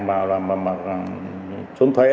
mà trốn thuế